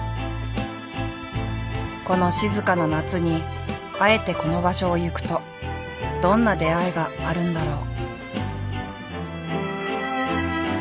この静かな夏にあえてこの場所を行くとどんな出会いがあるんだろう。